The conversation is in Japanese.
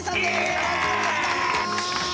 よろしくお願いします！